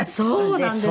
そうなんです。